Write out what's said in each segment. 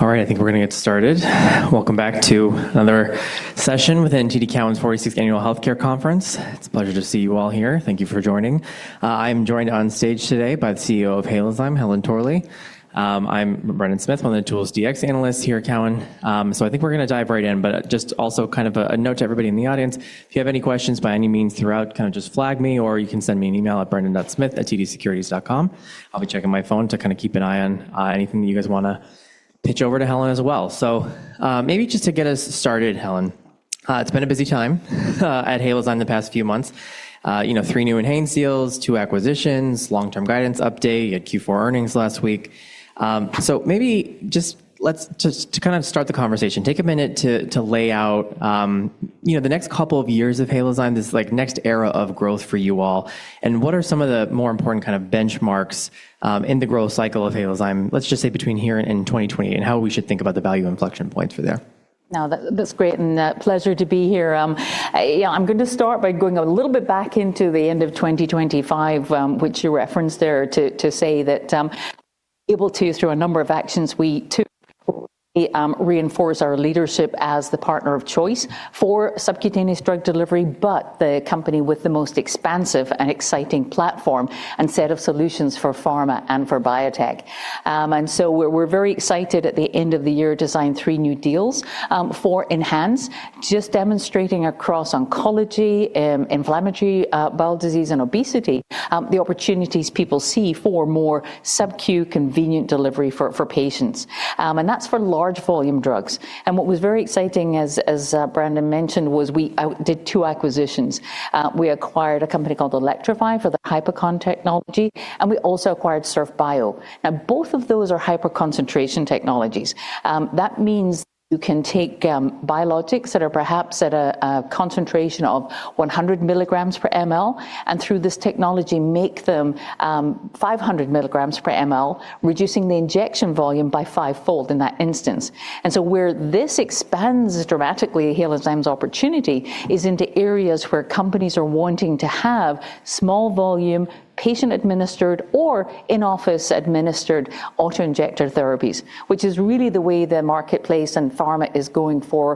All right, I think we're gonna get started. Welcome back to another session with TD Cowen's 46th Annual Healthcare Conference. It's a pleasure to see you all here. Thank you for joining. I'm joined on stage today by the CEO of Halozyme, Helen Torley. I'm Brandon Smith, one of the tools DX analysts here at Cowen. I think we're gonna dive right in, but just also kind of a note to everybody in the audience, if you have any questions by any means throughout, kinda just flag me, or you can send me an email at brandon.smith@tdsecurities.com. I'll be checking my phone to kinda keep an eye on, anything that you guys wanna pitch over to Helen as well. Maybe just to get us started, Helen, it's been a busy time at Halozyme in the past few months. You know, 3 new ENHANZE deals, 2 acquisitions, long-term guidance update. You had Q4 earnings last week. Maybe just to kind of start the conversation, take a minute to lay out, you know, the next couple of years of Halozyme, this, like, next era of growth for you all, and what are some of the more important kind of benchmarks, in the growth cycle of Halozyme, let's just say between here and 2020, and how we should think about the value inflection points for there. No, that's great and a pleasure to be here. Yeah, I'm going to start by going a little bit back into the end of 2025, which you referenced there to say that, able to, through a number of actions, we took, reinforce our leadership as the partner of choice for subcutaneous drug delivery, but the company with the most expansive and exciting platform and set of solutions for pharma and for biotech. So we're very excited at the end of the year to sign 3 new deals for ENHANZE, just demonstrating across oncology, inflammatory bowel disease, and obesity, the opportunities people see for more sub-Q convenient delivery for patients. That's for large volume drugs. What was very exciting as Brandon mentioned, was we did 2 acquisitions. We acquired a company called Elektrofi for their HyperCon technology, and we also acquired Surf Bio. Now, both of those are hyperconcentration technologies. That means you can take biologics that are perhaps at a concentration of 100 milligrams per mL, and through this technology, make them, 500 milligrams per mL, reducing the injection volume by 5-fold in that instance. Where this expands dramatically Halozyme's opportunity is into areas where companies are wanting to have small volume, patient-administered or in-office administered auto-injector therapies, which is really the way the marketplace and pharma is going for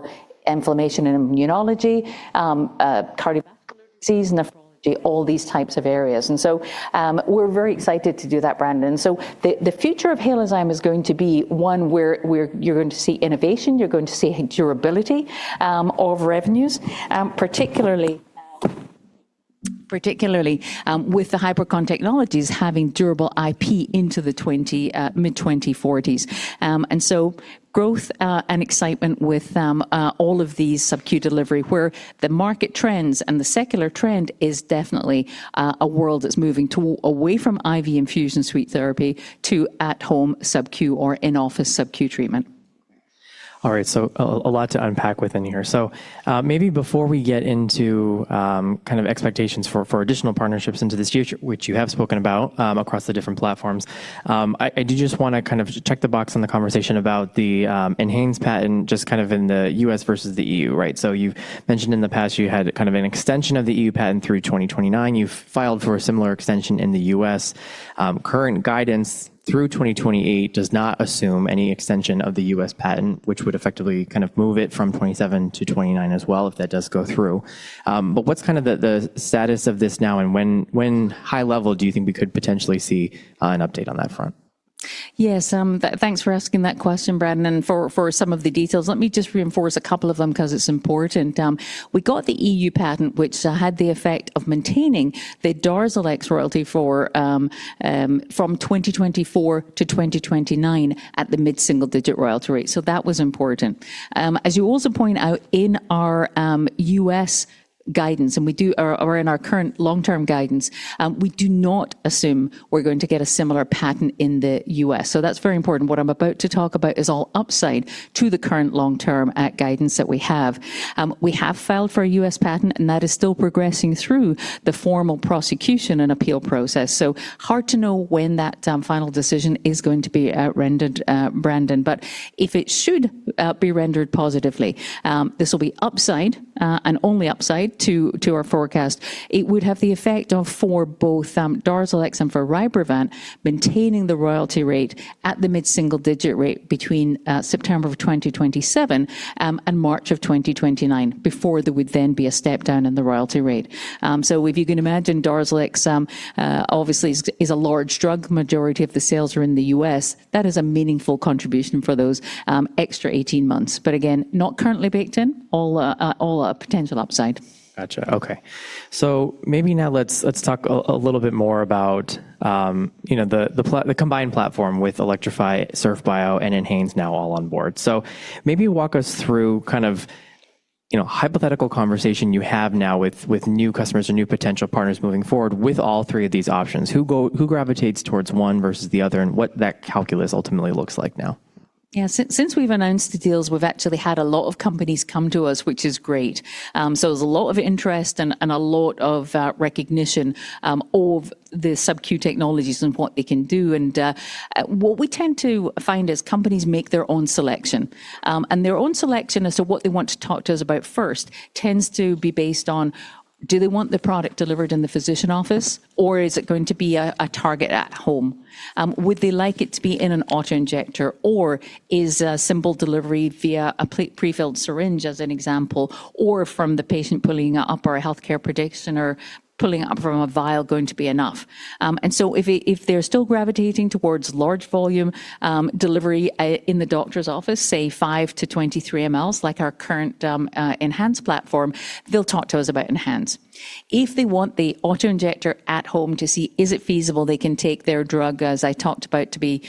inflammation and immunology, cardiovascular disease, nephrology, all these types of areas. We're very excited to do that, Brandon. The future of Halozyme is going to be one where you're going to see innovation, you're going to see durability of revenues, particularly with the HyperCon technologies having durable IP into the mid-2040s. Growth and excitement with all of these sub-Q delivery, where the market trends and the secular trend is definitely a world that's moving away from IV infusion suite therapy to at home sub-Q or in-office sub-Q treatment. All right, a lot to unpack within here. Maybe before we get into kind of expectations for additional partnerships into this future, which you have spoken about across the different platforms, I do just wanna kind of check the box on the conversation about the ENHANZE patent, just kind of in the U.S. versus the EU, right? You've mentioned in the past you had kind of an extension of the EU patent through 2029. You've filed for a similar extension in the U.S. Current guidance through 2028 does not assume any extension of the U.S. patent, which would effectively kind of move it from 27 to 29 as well if that does go through. What's kind of the status of this now, and when, high level, do you think we could potentially see an update on that front? Yes. thanks for asking that question, Brandon, and for some of the details, let me just reinforce a couple of them 'cause it's important. We got the EU patent, which had the effect of maintaining the Darzalex royalty from 2024 to 2029 at the mid-single-digit royalty rate. That was important. As you also point out in our U.S. guidance, or in our current long-term guidance, we do not assume we're going to get a similar patent in the U.S. That's very important. What I'm about to talk about is all upside to the current long-term guidance that we have. We have filed for a U.S. patent, that is still progressing through the formal prosecution and appeal process. Hard to know when that final decision is going to be rendered, Brandon. If it should be rendered positively, this will be upside and only upside to our forecast. It would have the effect of for both Darzalex and for Rybrevant maintaining the royalty rate at the mid-single digit rate between September of 2027 and March of 2029 before there would then be a step down in the royalty rate. If you can imagine Darzalex obviously is a large drug. Majority of the sales are in the U.S. That is a meaningful contribution for those extra 18 months. Again, not currently baked in. All a potential upside. Gotcha. Okay. Maybe now let's talk a little bit more about, you know, the combined platform with Elektrofi, Surf Bio, and ENHANZE now all on board. Maybe walk us through kind of, you know, hypothetical conversation you have now with new customers or new potential partners moving forward with all three of these options. Who gravitates towards one versus the other, and what that calculus ultimately looks like now? Since we've announced the deals, we've actually had a lot of companies come to us, which is great. There's a lot of interest and a lot of recognition of the subQ technologies and what they can do. What we tend to find is companies make their own selection. Their own selection as to what they want to talk to us about first tends to be based on do they want the product delivered in the physician office, or is it going to be a target at home? Would they like it to be in an auto-injector, or is a simple delivery via a pre-filled syringe, as an example, or from the patient pulling up our healthcare prediction or pulling it up from a vial going to be enough? If they, if they're still gravitating towards large volume delivery in the doctor's office, say 5-23 mls, like our current ENHANZE platform, they'll talk to us about ENHANZE. If they want the auto-injector at home to see is it feasible they can take their drug, as I talked about, to be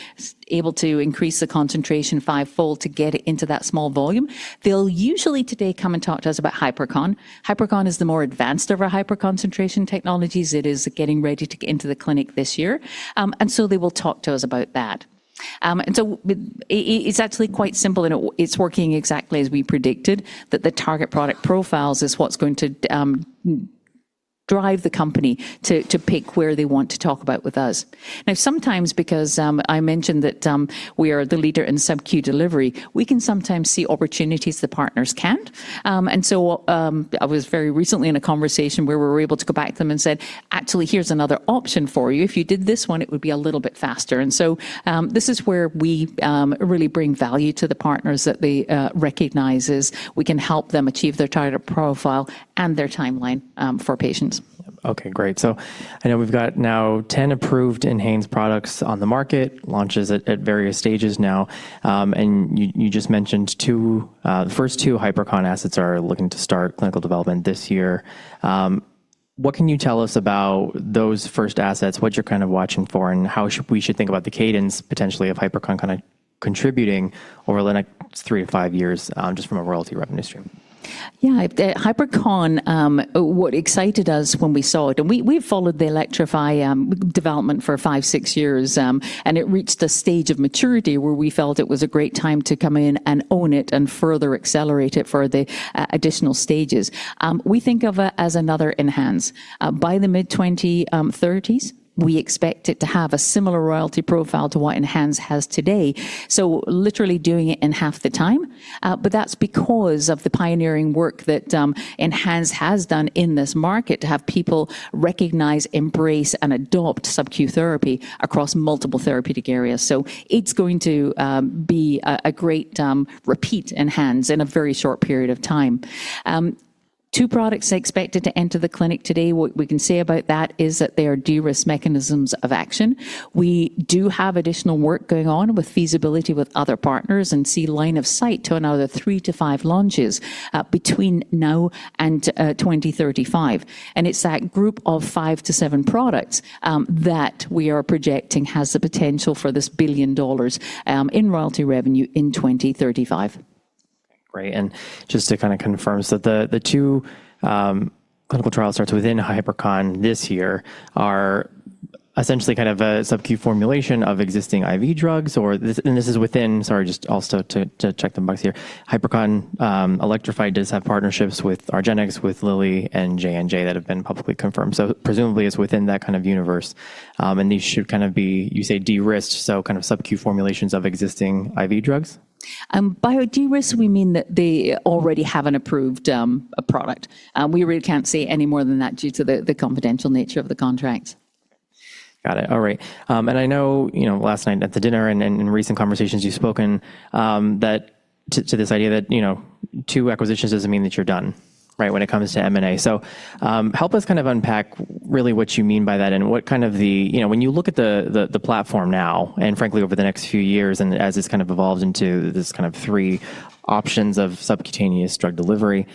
able to increase the concentration 5-fold to get it into that small volume, they'll usually today come and talk to us about HyperCon. HyperCon is the more advanced of our hyperconcentration technologies. It is getting ready to get into the clinic this year. They will talk to us about that. It's actually quite simple, and it's working exactly as we predicted that the target product profiles is what's going to drive the company to pick where they want to talk about with us. Now, sometimes because I mentioned that we are the leader in sub-Q delivery, we can sometimes see opportunities the partners can't. I was very recently in a conversation where we were able to go back to them and said, "Actually, here's another option for you. If you did this one, it would be a little bit faster." This is where we really bring value to the partners that they recognize is we can help them achieve their target profile and their timeline for patients. Okay, great. I know we've got now 10 approved ENHANZE products on the market, launches at various stages now. You just mentioned 2, the first 2 HyperCon assets are looking to start clinical development this year. What can you tell us about those first assets, what you're kind of watching for, and how we should think about the cadence potentially of HyperCon kind of contributing over the next 3-5 years, just from a royalty revenue stream? Yeah. The HyperCon, what excited us when we saw it. We followed the Elektrofi development for 5, 6 years, and it reached a stage of maturity where we felt it was a great time to come in and own it and further accelerate it for the additional stages. We think of it as another ENHANZE. By the mid-20, thirties, we expect it to have a similar royalty profile to what ENHANZE has today, so literally doing it in half the time. But that's because of the pioneering work that ENHANZE has done in this market to have people recognize, embrace, and adopt sub-Q therapy across multiple therapeutic areas. It's going to be a great repeat ENHANZE in a very short period of time. 2 products are expected to enter the clinic today. What we can say about that is that they are de-risk mechanisms of action. We do have additional work going on with feasibility with other partners and see line of sight to another 3-5 launches between now and 2035. It's that group of 5-7 products that we are projecting has the potential for this $1 billion in royalty revenue in 2035. Great. Just to kind of confirm, so the two clinical trial starts within HyperCon this year are essentially kind of a sub-Q formulation of existing IV drugs or? Sorry, just also to check the box here. HyperCon, Elektrofi does have partnerships with argenx, with Lilly, and J&J that have been publicly confirmed. Presumably it's within that kind of universe, and these should kind of be, you say, de-risked, so sub-Q formulations of existing IV drugs. By de-risk, we mean that they already have an approved product. We really can't say any more than that due to the confidential nature of the contract. Got it. All right. I know, you know, last night at the dinner and in recent conversations you've spoken to this idea that, you know, two acquisitions doesn't mean that you're done, right, when it comes to M&A. Help us kind of unpack really what you mean by that and, you know, when you look at the platform now and frankly over the next few years and as it's kind of evolved into this kind of three options of subcutaneous drug delivery,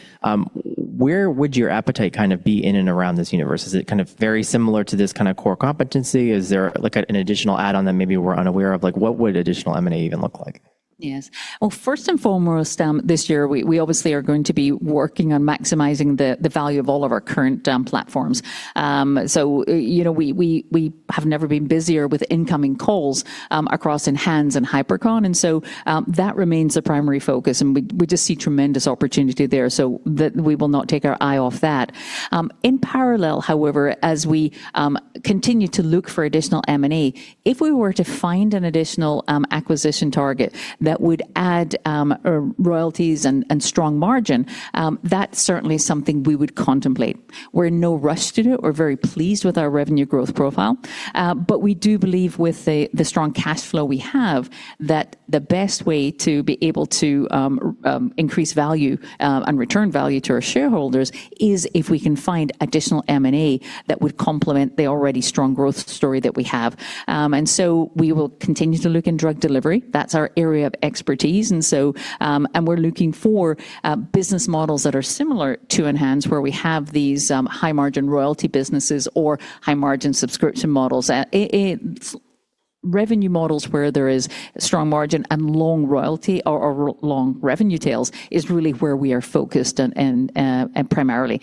where would your appetite kind of be in and around this universe? Is it kind of very similar to this kind of core competency? Is there like an additional add-on that maybe we're unaware of? Like, what would additional M&A even look like? Yes. Well, first and foremost, this year, we obviously are going to be working on maximizing the value of all of our current platforms. You know, we have never been busier with incoming calls, across ENHANZE and HyperCon, and so, that remains the primary focus, and we just see tremendous opportunity there, so we will not take our eye off that. In parallel, however, as we continue to look for additional M&A, if we were to find an additional acquisition target that would add royalties and strong margin, that's certainly something we would contemplate. We're in no rush to do it. We're very pleased with our revenue growth profile. We do believe with the strong cash flow we have, that the best way to be able to increase value and return value to our shareholders is if we can find additional M&A that would complement the already strong growth story that we have. We will continue to look in drug delivery. That's our area of expertise. We're looking for business models that are similar to ENHANZE, where we have these high-margin royalty businesses or high-margin subscription models. Revenue models where there is strong margin and long royalty or long revenue tails is really where we are focused and primarily.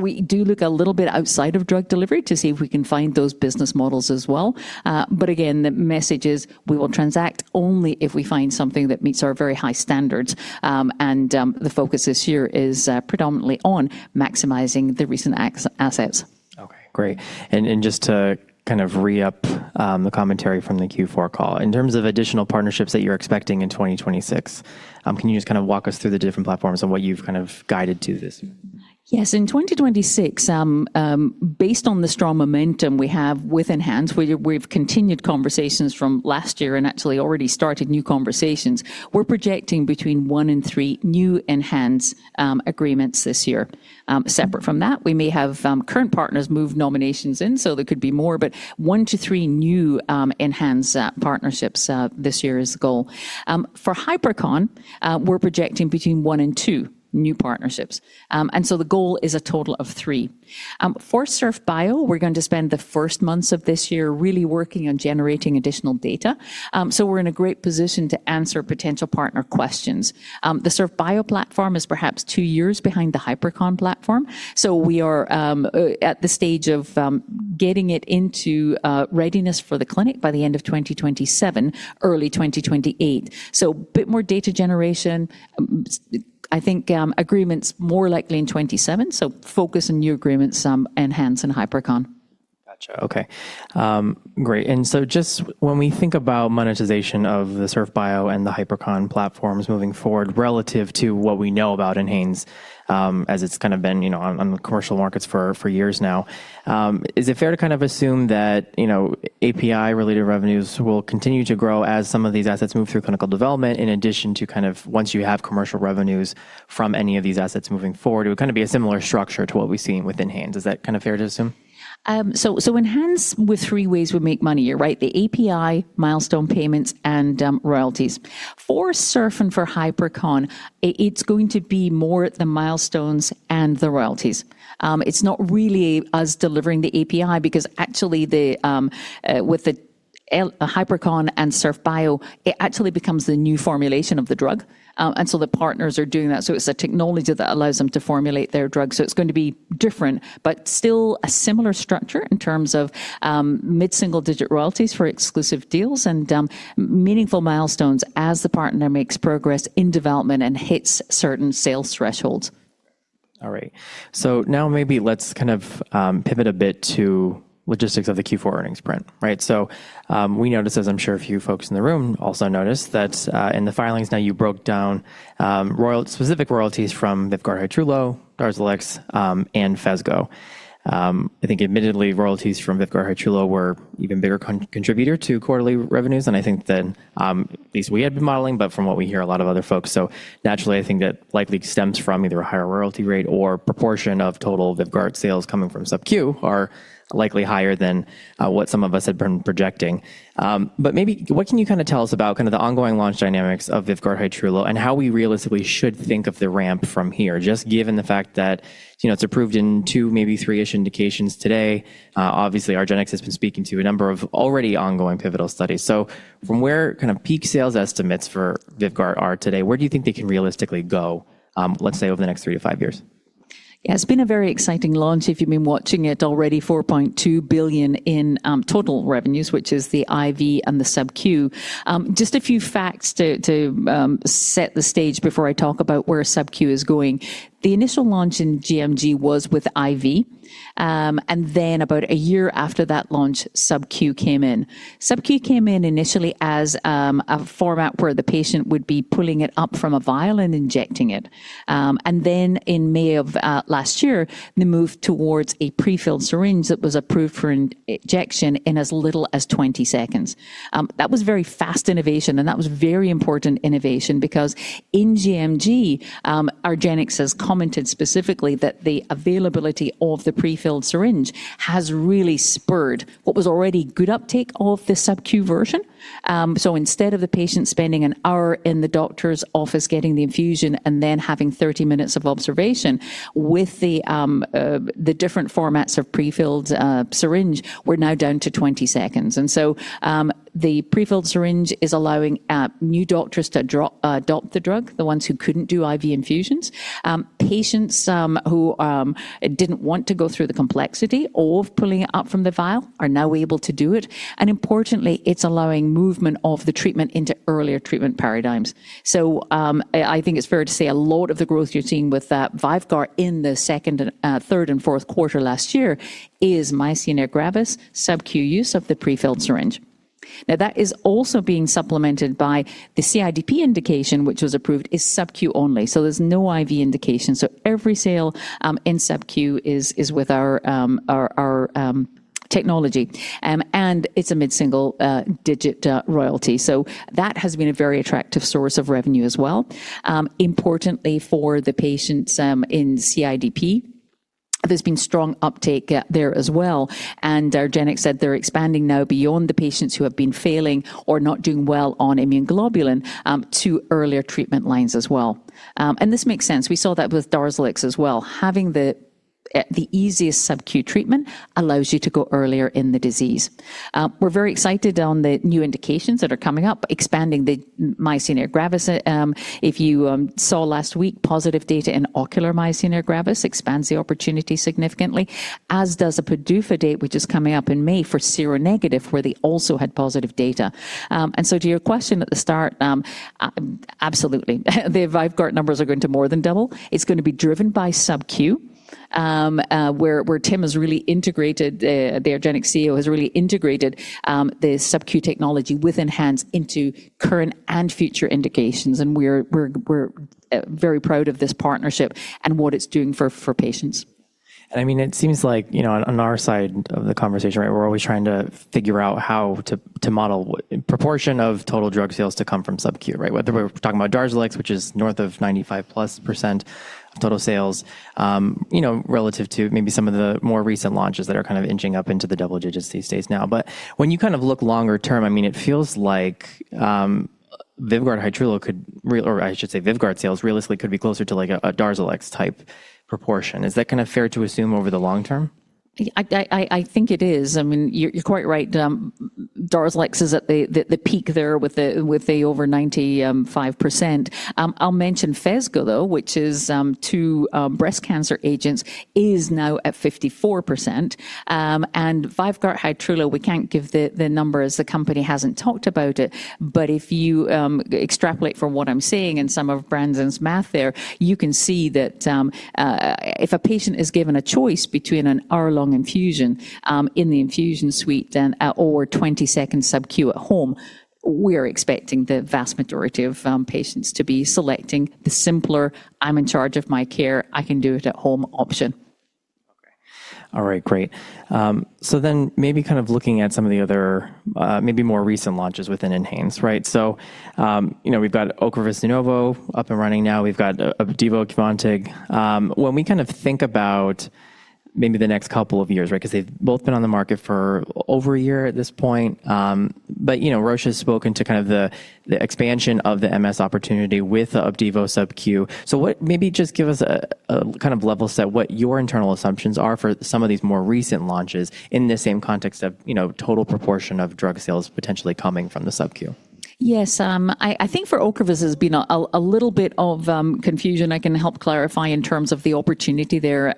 We do look a little bit outside of drug delivery to see if we can find those business models as well. Again, the message is we will transact only if we find something that meets our very high standards. The focus this year is predominantly on maximizing the recent as-assets. Okay, great. Just to kind of re-up, the commentary from the Q4 call, in terms of additional partnerships that you're expecting in 2026, can you just kind of walk us through the different platforms on what you've kind of guided to this year? Yes. In 2026, based on the strong momentum we have with ENHANZE, we've continued conversations from last year and actually already started new conversations. We're projecting between 1 and 3 new ENHANZE agreements this year. Separate from that, we may have current partners move nominations in, so there could be more, but 1 to 3 new ENHANZE partnerships this year is the goal. For HyperCon, we're projecting between 1 and 2 new partnerships. The goal is a total of 3. For Surf Bio, we're going to spend the first months of this year really working on generating additional data. We're in a great position to answer potential partner questions. The Surf Bio platform is perhaps 2 years behind the HyperCon platform, we are at the stage of getting it into readiness for the clinic by the end of 2027, early 2028. A bit more data generation. I think agreements more likely in 2027, focus on new agreements, ENHANZE and HyperCon. Gotcha. Okay. great. Just when we think about monetization of the Surf Bio and the HyperCon platforms moving forward relative to what we know about ENHANZE, as it's kind of been, you know, on the commercial markets for years now, is it fair to kind of assume that, you know, API-related revenues will continue to grow as some of these assets move through clinical development in addition to kind of once you have commercial revenues from any of these assets moving forward, it would kind of be a similar structure to what we've seen with ENHANZE. Is that kind of fair to assume? ENHANZE with 3 ways we make money. You're right. The API, milestone payments, and royalties. For Surf and for HyperCon, it's going to be more the milestones and the royalties. It's not really us delivering the API because actually with the HyperCon and Surf Bio, it actually becomes the new formulation of the drug. The partners are doing that. It's the technology that allows them to formulate their drug. It's going to be different, but still a similar structure in terms of mid-single-digit royalties for exclusive deals and meaningful milestones as the partner makes progress in development and hits certain sales thresholds. All right. Now maybe let's kind of pivot a bit to logistics of the Q4 earnings print, right? We noticed, as I'm sure a few folks in the room also noticed, that in the filings now you broke down specific royalties from VYVGART Hytrulo, Darzalex, and Phesgo. I think admittedly, royalties from VYVGART Hytrulo were even bigger contributor to quarterly revenues, and I think than at least we had been modeling, but from what we hear, a lot of other folks. Naturally, I think that likely stems from either a higher royalty rate or proportion of total VYVGART sales coming from sub-Q are likely higher than what some of us had been projecting. Maybe what can you kinda tell us about kind of the ongoing launch dynamics of VYVGART Hytrulo and how we realistically should think of the ramp from here, just given the fact that, you know, it's approved in 2, maybe 3-ish indications today? Obviously, argenx has been speaking to a number of already ongoing pivotal studies. From where kind of peak sales estimates for VYVGART are today, where do you think they can realistically go, let's say over the next 3 to 5 years? It's been a very exciting launch if you've been watching it. Already $4.2 billion in total revenues, which is the IV and the subQ. Just a few facts to set the stage before I talk about where subQ is going. The initial launch in GMG was with IV, about a year after that launch, subQ came in. SubQ came in initially as a format where the patient would be pulling it up from a vial and injecting it. In May of last year, they moved towards a prefilled syringe that was approved for in-injection in as little as 20 seconds. That was very fast innovation, and that was very important innovation because in GMG, argenx has commented specifically that the availability of the prefilled syringe has really spurred what was already good uptake of the subQ version. Instead of the patient spending an hour in the doctor's office getting the infusion and then having 30 minutes of observation, with the different formats of prefilled syringe, we're now down to 20 seconds. The prefilled syringe is allowing new doctors to adopt the drug, the ones who couldn't do IV infusions. Patients who didn't want to go through the complexity of pulling it up from the vial are now able to do it. Importantly, it's allowing movement of the treatment into earlier treatment paradigms. I think it's fair to say a lot of the growth you're seeing with VYVGART in the second and third and fourth quarter last year is myasthenia gravis subQ use of the prefilled syringe. That is also being supplemented by the CIDP indication, which was approved, is subQ only, so there's no IV indication. Every sale in subQ is with our technology. It's a mid-single digit royalty. That has been a very attractive source of revenue as well. Importantly for the patients in CIDP, there's been strong uptake there as well, and argenx said they're expanding now beyond the patients who have been failing or not doing well on immune globulin to earlier treatment lines as well. This makes sense. We saw that with Darzalex as well. Having the easiest subQ treatment allows you to go earlier in the disease. We're very excited on the new indications that are coming up, expanding the myasthenia gravis. If you saw last week, positive data in ocular myasthenia gravis expands the opportunity significantly, as does a PDUFA date, which is coming up in May for seronegative, where they also had positive data. To your question at the start, absolutely. The VYVGART numbers are going to more than double. It's gonna be driven by subQ, where Tim has really integrated, the argenx CEO has really integrated, the subQ technology ENHANZE into current and future indications. We're very proud of this partnership and what it's doing for patients. I mean, it seems like, you know, on our side of the conversation, right, we're always trying to figure out how to model what proportion of total drug sales to come from sub-Q, right? Whether we're talking about Darzalex, which is north of 95+% of total sales, you know, relative to maybe some of the more recent launches that are kind of inching up into the double digits these days now. When you kind of look longer term, I mean, it feels like VYVGART Hytrulo could or I should say VYVGART sales realistically could be closer to like a Darzalex type proportion. Is that kinda fair to assume over the long term? I think it is. I mean, you're quite right. Darzalex is at the peak there with the over 95%. I'll mention Phesgo, though, which is two breast cancer agents, is now at 54%. VYVGART Hytrulo, we can't give the numbers. The company hasn't talked about it. If you extrapolate from what I'm seeing and some of Brandon's math there, you can see that if a patient is given a choice between an hour-long infusion in the infusion suite and or 20-second sub-Q at home, we're expecting the vast majority of patients to be selecting the simpler, I'm in charge of my care, I can do it at home option. Okay. All right, great. Maybe kind of looking at some of the other, maybe more recent launches within ENHANZE, right? You know, we've got Ocrevus De Novo up and running now. We've got Opdivo Qvantig. When we kind of think about maybe the next couple of years, right? Cause they've both been on the market for over a year at this point. You know, Roche has spoken to kind of the expansion of the MS opportunity with Opdivo sub-Q. What maybe just give us a kind of level set what your internal assumptions are for some of these more recent launches in the same context of, you know, total proportion of drug sales potentially coming from the sub-Q. Yes. I think for Ocrevus, there's been a little bit of confusion I can help clarify in terms of the opportunity there.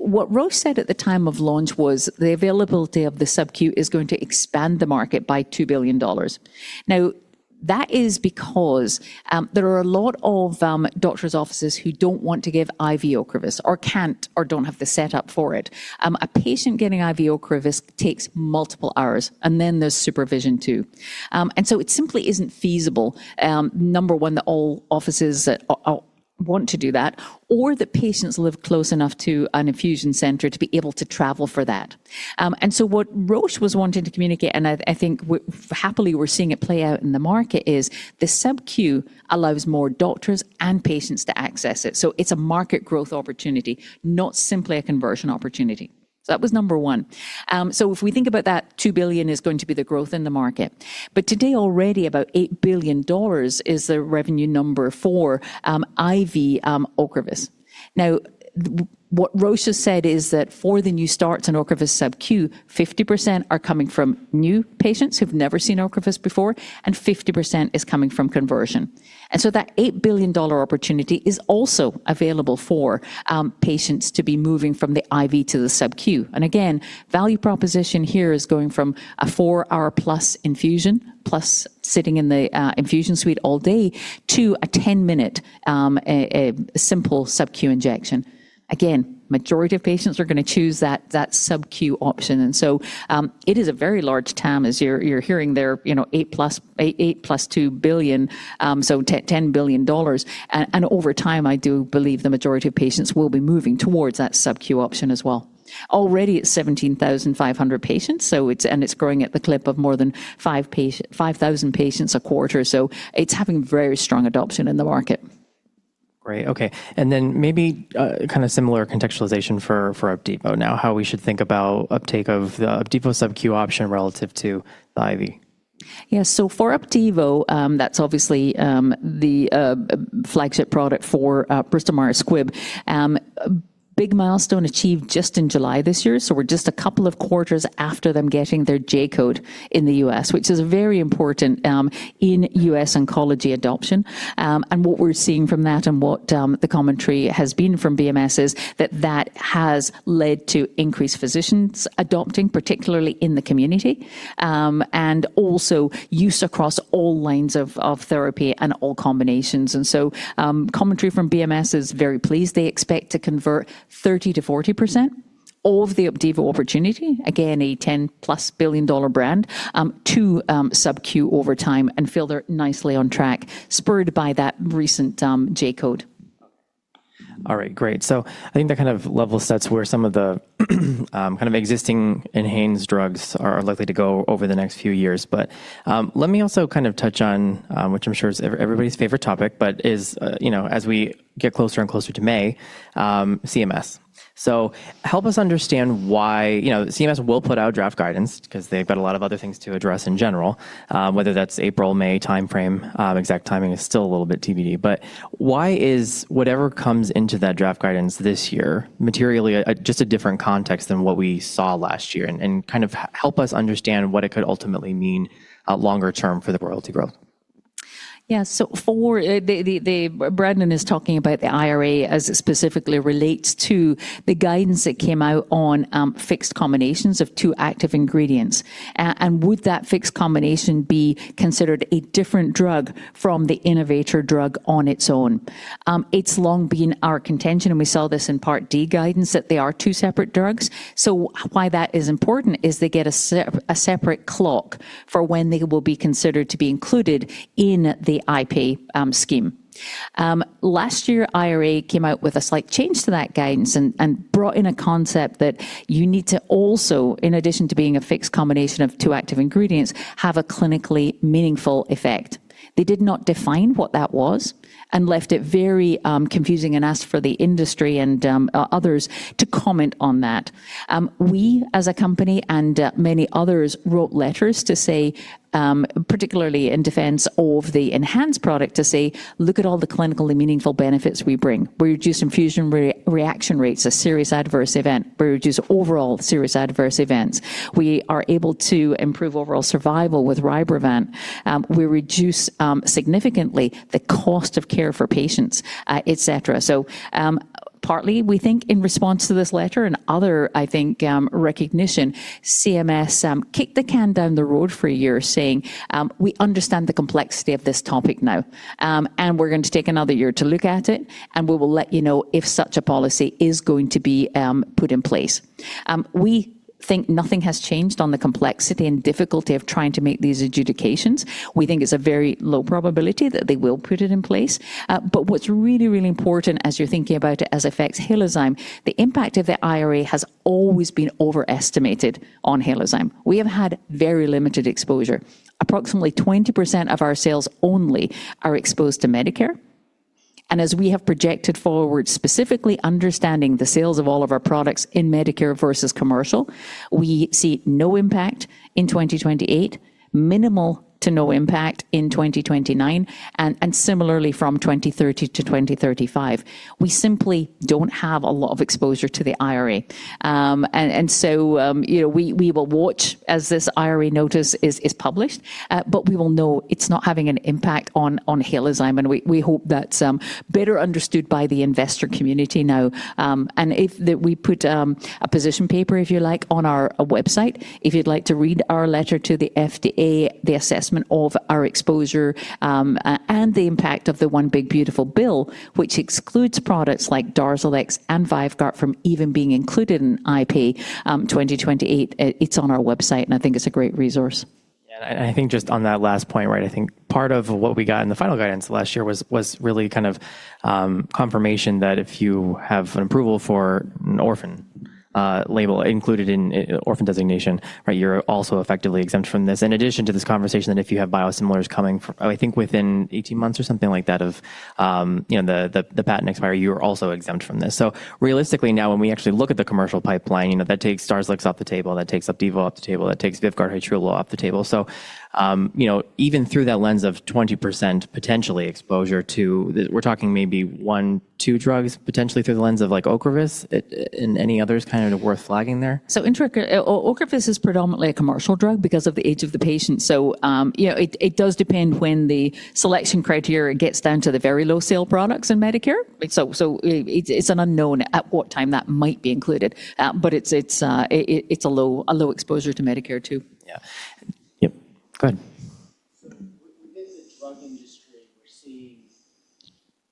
What Roche said at the time of launch was the availability of the sub-Q is going to expand the market by $2 billion. Now, that is because there are a lot of doctor's offices who don't want to give IV Ocrevus or can't or don't have the setup for it. A patient getting IV Ocrevus takes multiple hours, and then there's supervision too. It simply isn't feasible, number one, that all offices want to do that or that patients live close enough to an infusion center to be able to travel for that. What Roche was wanting to communicate, and I think happily we're seeing it play out in the market, is the sub-Q allows more doctors and patients to access it. It's a market growth opportunity, not simply a conversion opportunity. That was number one. If we think about that, $2 billion is going to be the growth in the market. Today already about $8 billion is the revenue number for IV Ocrevus. Now, what Roche has said is that for the new starts in Ocrevus sub-Q, 50% are coming from new patients who've never seen Ocrevus before, and 50% is coming from conversion. That $8 billion opportunity is also available for patients to be moving from the IV to the sub-Q. Again, value proposition here is going from a 4-hour-plus infusion plus sitting in the infusion suite all day to a 10-minute simple sub-Q injection. Again, majority of patients are gonna choose that sub-Q option. So it is a very large TAM as you're hearing there, you know, $8 billion plus $2 billion, so $10 billion. Over time, I do believe the majority of patients will be moving towards that sub-Q option as well. Already it's 17,500 patients, so and it's growing at the clip of more than 5,000 patients a quarter. It's having very strong adoption in the market. Great. Okay. Maybe, kinda similar contextualization for Opdivo now, how we should think about uptake of the Opdivo sub-Q option relative to the IV. Yeah. For Opdivo, that's obviously the flagship product for Bristol Myers Squibb. Big milestone achieved just in July this year. We're just a couple of quarters after them getting their J-code in the U.S., which is very important in U.S. oncology adoption. What we're seeing from that and what the commentary has been from BMS is that that has led to increased physicians adopting, particularly in the community, and also use across all lines of therapy and all combinations. Commentary from BMS is very pleased. They expect to convert 30%-40% of the Opdivo opportunity, again, a $10+ billion brand, to sub-Q over time and feel they're nicely on track, spurred by that recent J-code. All right, great. I think that kind of level sets where some of the kind of existing ENHANZE drugs are likely to go over the next few years. Let me also kind of touch on, which I'm sure is everybody's favorite topic, but is, you know, as we get closer and closer to May, CMS. Help us understand why, you know, CMS will put out draft guidance because they've got a lot of other things to address in general, whether that's April, May timeframe, exact timing is still a little bit TBD. Why is whatever comes into that draft guidance this year materially just a different context than what we saw last year? Kind of help us understand what it could ultimately mean longer term for the royalty growth. For the Brendan is talking about the IRA as it specifically relates to the guidance that came out on fixed combinations of two active ingredients. Would that fixed combination be considered a different drug from the innovator drug on its own? It's long been our contention, and we saw this in Part D guidance, that they are two separate drugs. Why that is important is they get a separate clock for when they will be considered to be included in the IP scheme. Last year, IRA came out with a slight change to that guidance and brought in a concept that you need to also, in addition to being a fixed combination of two active ingredients, have a clinically meaningful effect. They did not define what that was and left it very confusing and asked for the industry and others to comment on that. We as a company and many others wrote letters to say, particularly in defense of the ENHANZE product to say, "Look at all the clinical and meaningful benefits we bring. We reduce infusion reaction rates, a serious adverse event. We reduce overall serious adverse events. We are able to improve overall survival with Rybrevant. We reduce significantly the cost of care for patients, et cetera. Partly, we think in response to this letter and other recognition, CMS kicked the can down the road for a year saying, "We understand the complexity of this topic now, and we're going to take another year to look at it, and we will let you know if such a policy is going to be put in place." We think nothing has changed on the complexity and difficulty of trying to make these adjudications. We think it's a very low probability that they will put it in place. What's really, really important as you're thinking about it as affects Halozyme, the impact of the IRA has always been overestimated on Halozyme. We have had very limited exposure. Approximately 20% of our sales only are exposed to Medicare. As we have projected forward, specifically understanding the sales of all of our products in Medicare versus commercial, we see no impact in 2028, minimal to no impact in 2029, and similarly from 2030 to 2035. We simply don't have a lot of exposure to the IRA. you know, we will watch as this IRA notice is published, but we will know it's not having an impact on Halozyme, and we hope that's better understood by the investor community now. If we put a position paper, if you like, on our website. If you'd like to read our letter to the FDA, the assessment of our exposure, and the impact of the one big beautiful bill which excludes products like Darzalex and VYVGART from even being included in IP, 2028, it's on our website, and I think it's a great resource. I think just on that last point, right? I think part of what we got in the final guidance last year was really kind of confirmation that if you have an approval for an orphan label included in orphan designation, right? You're also effectively exempt from this. In addition to this conversation that if you have biosimilars coming I think within 18 months or something like that of, you know, the patent expiry, you're also exempt from this. Realistically now, when we actually look at the commercial pipeline, you know, that takes Darzalex off the table, that takes Opdivo off the table, that takes VYVGART Hytrulo off the table. You know, even through that lens of 20% potentially exposure to the... We're talking maybe one, two drugs potentially through the lens of like Ocrevus, and any others kind of worth flagging there. Ocrevus is predominantly a commercial drug because of the age of the patient. you know, it does depend when the selection criteria gets down to the very low sale products in Medicare. it's an unknown at what time that might be included. it's a low exposure to Medicare too. Yeah. Yep. Go ahead. Within the drug industry, we're seeing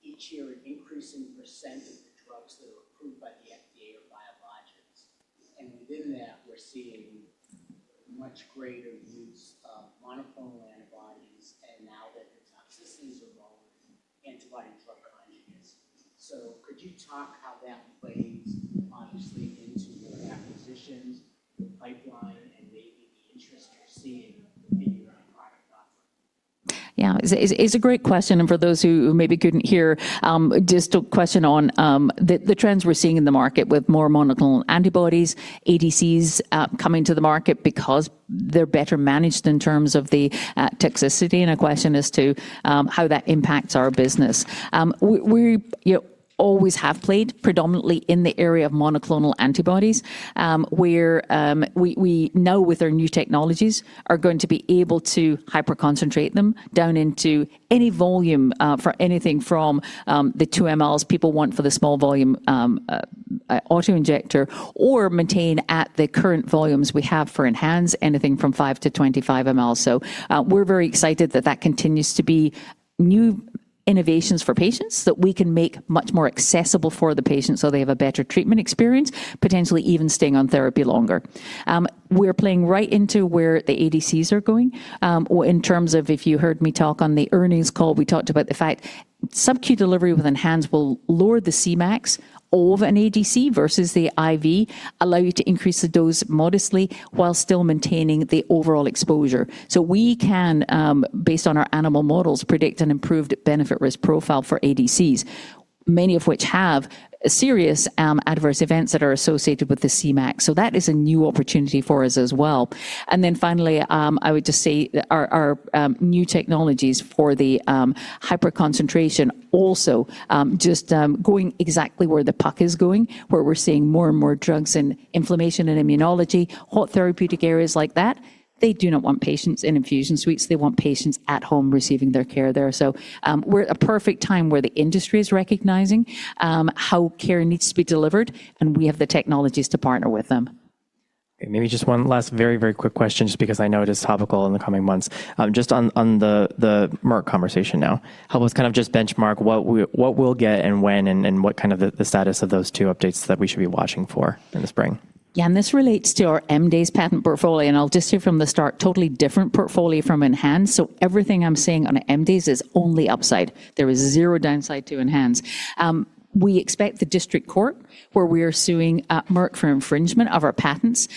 each year an increasing % of the drugs that are approved by the FDA are biologics. Within that, we're seeing much greater use of monoclonal antibodies and now that the toxicities are lower, Antibody-Drug Conjugates. Could you talk how that plays obviously into your acquisitions, the pipeline, and maybe the interest you're seeing in your own product line? It's a great question. For those who maybe couldn't hear, just a question on the trends we're seeing in the market with more monoclonal antibodies, ADCs coming to the market because they're better managed in terms of the toxicity and a question as to how that impacts our business. We, you know, always have played predominantly in the area of monoclonal antibodies, where we know with our new technologies are going to be able to hyper-concentrate them down into any volume for anything from the 2 mLs people want for the small volume auto-injector or maintain at the current volumes we have for ENHANZE anything from 5-25 mL. We're very excited that that continues to be new innovations for patients that we can make much more accessible for the patient so they have a better treatment experience, potentially even staying on therapy longer. We're playing right into where the ADCs are going, or in terms of if you heard me talk on the earnings call, we talked about the fact sub-Q delivery with ENHANZE will lower the Cmax of an ADC versus the IV, allow you to increase the dose modestly while still maintaining the overall exposure. We can, based on our animal models, predict an improved benefit risk profile for ADCs, many of which have serious adverse events that are associated with the Cmax. That is a new opportunity for us as well. Finally, I would just say our, new technologies for the hyper-concentration also, just, going exactly where the puck is going, where we're seeing more and more drugs in inflammation and immunology, whole therapeutic areas like that. They do not want patients in infusion suites. They want patients at home receiving their care there. We're a perfect time where the industry is recognizing how care needs to be delivered, and we have the technologies to partner with them. Maybe just one last very, very quick question, just because I know it is topical in the coming months. Just on the Merck conversation now. Help us kind of just benchmark what we'll get and when and what kind of the status of those two updates that we should be watching for in the spring. This relates to our MD's patent portfolio. I'll just say from the start, totally different portfolio from ENHANZE. Everything I'm seeing on MD's is only upside. There is 0 downside to ENHANZE. We expect the district court where we are suing Merck for infringement of our patents.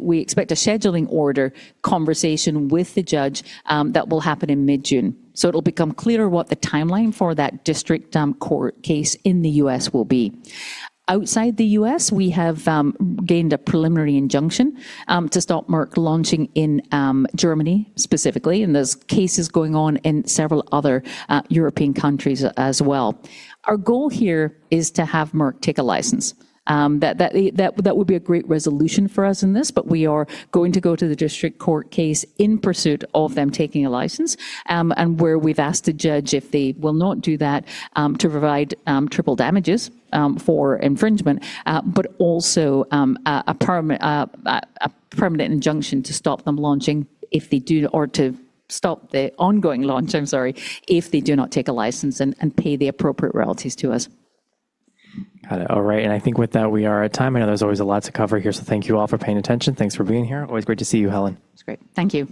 We expect a scheduling order conversation with the judge that will happen in mid-June. It'll become clearer what the timeline for that district court case in the U.S. will be. Outside the U.S., we have gained a preliminary injunction to stop Merck launching in Germany specifically. There's cases going on in several other European countries as well. Our goal here is to have Merck take a license. That would be a great resolution for us in this, but we are going to go to the district court case in pursuit of them taking a license, and where we've asked the judge if they will not do that, to provide treble damages for infringement, but also a permanent injunction to stop them launching or to stop the ongoing launch, I'm sorry, if they do not take a license and pay the appropriate royalties to us. Got it. All right. I think with that, we are at time. I know there's always a lot to cover here, so thank you all for paying attention. Thanks for being here. Always great to see you, Helen. It's great. Thank you.